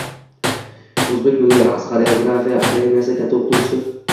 O‘zbek milliy raqs va xoreografiya akademiyasi katta o‘qituvchisi